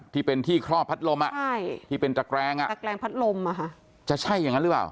ที่เป็นที่เคราะห์พัดลมที่เป็นตะแกรงพัดลมจะใช่อย่างนั้นหรือเปล่า